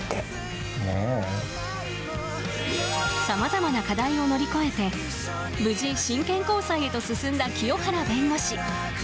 さまざまな課題を乗り越えて無事真剣交際へと進んだ清原弁護士。